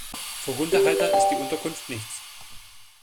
Für Hundehalter ist die Unterkunft nichts.